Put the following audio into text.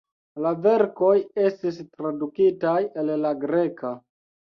La verkoj estis tradukitaj el la greka.